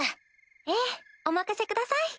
ええお任せください。